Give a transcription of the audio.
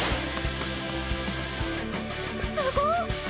すごっ！